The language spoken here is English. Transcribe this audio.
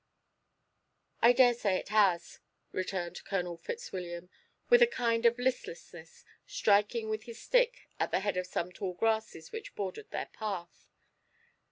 "I daresay it has," returned Colonel Fitzwilliam, with a kind of listlessness, striking with his stick at the head of some tall grasses which bordered their path.